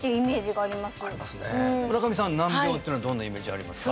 村上さん難病っていうのはどんなイメージありますか？